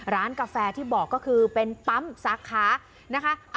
กาแฟที่บอกก็คือเป็นปั๊มสาขานะคะ